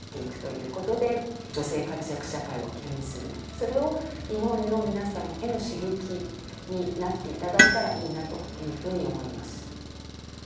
それを日本の皆さんへの刺激になっていただいたらいいなというふうに思います。